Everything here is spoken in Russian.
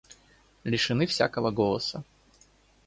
Лишены всякого голоса.